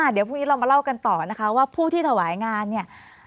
เดี๋ยวพรุ่งนี้เรามาเล่ากันต่อนะคะว่าผู้ที่ถวายงานเนี่ย